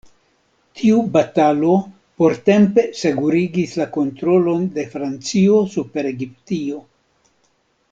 Tiu batalo portempe sekurigis la kontrolon de Francio super Egiptio.